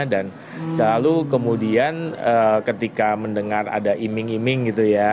dan selalu kemudian ketika mendengar ada iming iming gitu ya